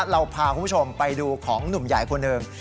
เราพาคุณผู้ชมไปดูของหนุ่มใหญ่คนหนึ่ง